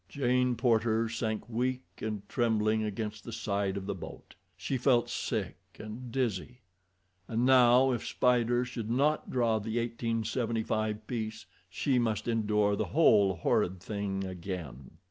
Jane Porter sank weak and trembling against the side of the boat. She felt sick and dizzy. And now, if Spider should not draw the 1875 piece she must endure the whole horrid thing again.